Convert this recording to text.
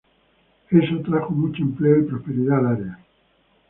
Eso trajo mucho empleo y prosperidad al área.